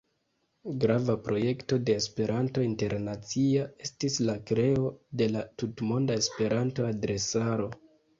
Grava projekto de "Esperanto Internacia" estis la kreo de la Tutmonda Esperanto-adresaro.